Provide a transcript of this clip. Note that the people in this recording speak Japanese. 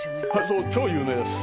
「そう超有名です」